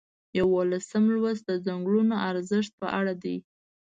یوولسم لوست د څنګلونو ارزښت په اړه دی.